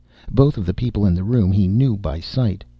Both of the people in the room he knew by sight.